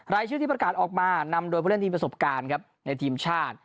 รายชื่อที่ประกาศออกมานำโดยผู้เล่นที่ประสบการณ์ครับในทีมชาติ